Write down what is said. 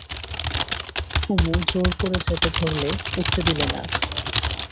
কুমু জোর করে চেপে ধরলে, উঠতে দিলে না।